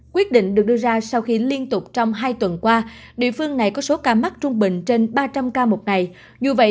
quyết định được đưa ra sau khi liên tục trong hai tuần qua địa phương này có số ca mắc trung bình trên ba trăm linh ca một ngày dù vậy